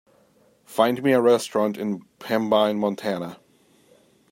find me a restaurant in Pembine Montana